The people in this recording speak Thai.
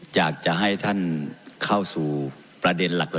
อยากจะให้ท่านเข้าสู่ประเด็นหลัก